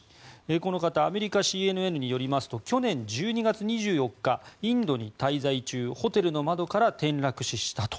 この方アメリカＣＮＮによりますと去年１２月２４日インドに滞在中ホテルの窓から転落死したと。